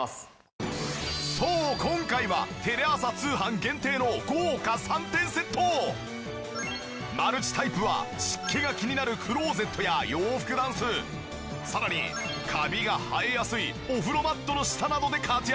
そう今回はテレ朝通販限定の豪華３点セット！マルチタイプは湿気が気になるクローゼットや洋服だんすさらにカビが生えやすいお風呂マットの下などで活躍。